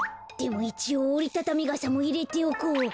でもいちおうおりたたみがさもいれておこう。